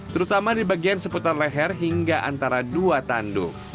terutama di bagian seputar leher hingga antara dua tanduk